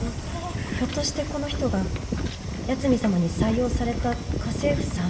ひょっとしてこの人が八海サマに採用された家政婦さん？